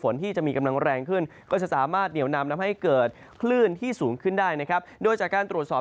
นำนำให้เกิดคลื่นที่สูงขึ้นได้นะครับโดยจากการตรวจสอบ